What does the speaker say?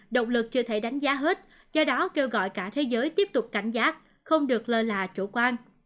động lực chưa thể đánh giá hết do đó kêu gọi cả thế giới tiếp tục cảnh giác không được lơ là chủ quan